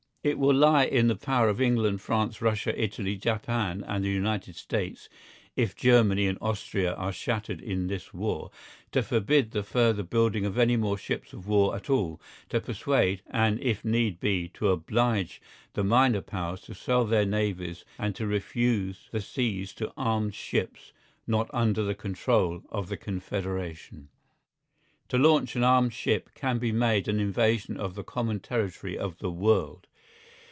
It will lie in the power of England, France, Russia, Italy, Japan and the United States, if Germany and Austria are shattered in this war, to forbid the further building of any more ships of war at all; to persuade, and if need be, to oblige the minor Powers to sell their navies and to refuse the seas to armed ships not under the control of the confederation. To launch an armed ship can be made an invasion of the common territory of the world.